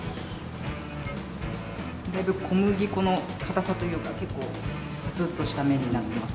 だいぶ小麦粉の硬さというか結構パツッとした麺になってますね。